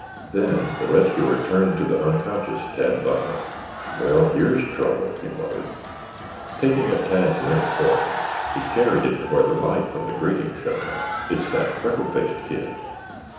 Then the rescuer turned to the unconscious Tad Butler. "Well, here's trouble!" he muttered. Taking up Tad's limp form he carried it to where the light from the grating shone up. "It's that freckle faced kid.